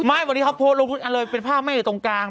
อันนี้เขาโพสไล่ลงไหนเลยเป็นภาพแม่อยู่ตรงกลาง